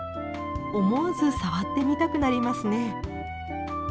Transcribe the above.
思わず触ってみたくなりますね。